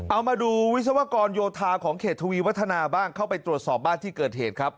เอามาดูวิศวกรโยธาของเขตทวีวัฒนาบ้างเข้าไปตรวจสอบบ้านที่เกิดเหตุครับ